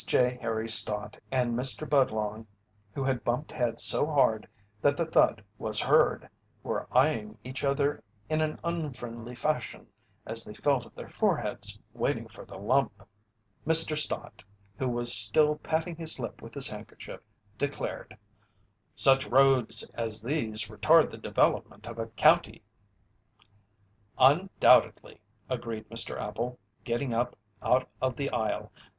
J. Harry Stott and Mr. Budlong, who had bumped heads so hard that the thud was heard, were eyeing each other in an unfriendly fashion as they felt of their foreheads, waiting for the lump. Mr. Stott, who was still patting his lip with his handkerchief, declared: "Such roads as these retard the development of a county." "Undoubtedly," agreed Mr. Appel, getting up out of the aisle.